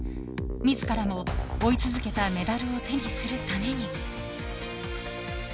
自らも、追い続けたメダルを手にするために。